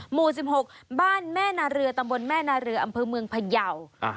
หมู่๑๖บ้านแม่นาเรือตำบลแม่นาเรืออำเภอเมืองพยาว